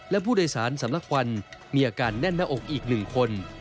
และผู้โดยสารสำลักควันมีอาการแน่นหน้าอกอีก๑คน